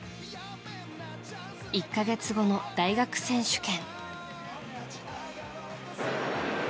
１か月後の大学選手権。